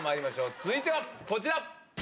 続いてはこちら。